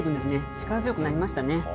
力強くなりましたね。